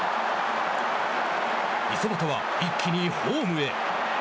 五十嵐は、一気にホームへ。